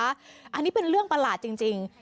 อันนี้เป็นเรื่องประหลาดจริง